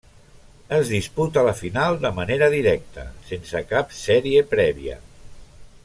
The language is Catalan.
Es disputa la final de manera directa, sense cap sèrie prèvia.